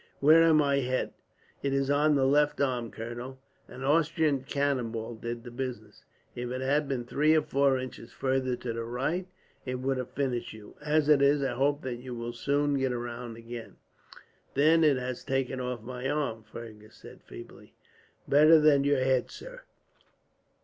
"Where am I hit?" "It is on the left arm, colonel. An Austrian cannonball did the business. If it had been three or four inches farther to the right, it would have finished you. As it is, I hope that you will soon get about again." "Then it has taken off my arm," Fergus said feebly. "Better that than your head, sir.